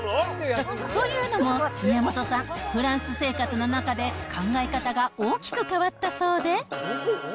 というのも、宮本さん、フランス生活の中で、考え方が大きく変わったそうで。